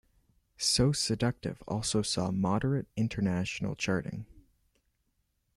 "So Seductive" also saw moderate international charting.